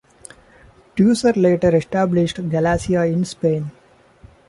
Teucer later established Galacia in Spain.